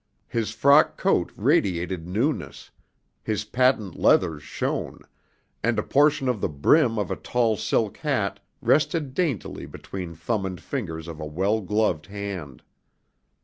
His frock coat radiated newness, his patent leathers shone, and a portion of the brim of a tall silk hat rested daintily between thumb and fingers of a well gloved hand.